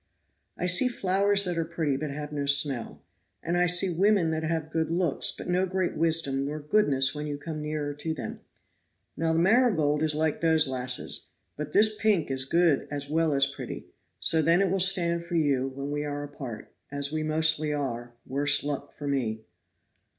"I see flowers that are pretty, but have no smell, and I see women that have good looks, but no great wisdom nor goodness when you come nearer to them. Now the marigold is like those lasses; but this pink is good as well as pretty, so then it will stand for you, when we are apart, as we mostly are worse luck for me."